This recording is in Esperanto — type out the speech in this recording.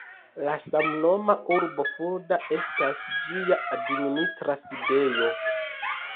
La samnoma urbo Fulda estas ĝia administra sidejo.